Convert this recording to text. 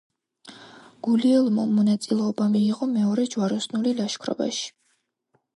გულიელმომ მონაწილეობა მიიღო მეორე ჯვაროსნული ლაშქრობაში.